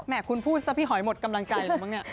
แหมคุณพูดซะพี่หอยหมดกำลังกายหรือเปล่า